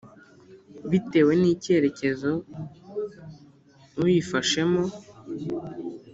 Bitewe n icyerekezo uyifashemo